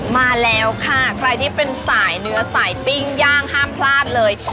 มาแล้วค่ะใครที่เป็นสายเนื้อสายปิ้งย่างห้ามพลาดเลย